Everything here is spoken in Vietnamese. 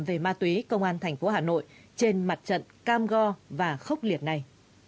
về ma túy công an thành phố hà nội trên mặt trận cam go và khốc liệt này